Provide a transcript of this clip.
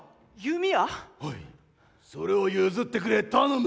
おいそれを譲ってくれ頼む。